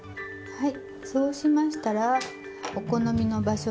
はい。